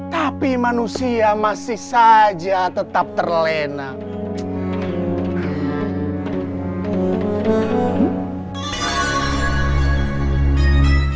tapi manusia masih saja tetap terlena